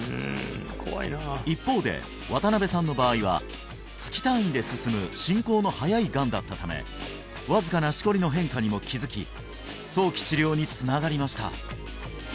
一方で渡邉さんの場合は月単位で進む進行の早いがんだったためわずかなしこりの変化にも気づき早期治療につながりました